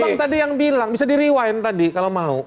bang tadi yang bilang bisa di rewind tadi kalau mau